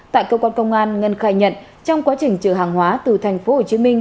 tại cơ quan công an ngân khai nhận trong quá trình chở hàng hóa từ thành phố hồ chí minh